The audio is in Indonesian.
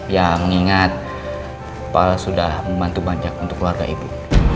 ya mengingat pal sudah membantu banyak untuk keluarga ibu